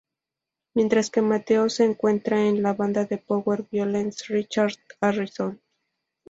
Mientras que Mateo se encuentra en la banda de power violence Richard Harrison.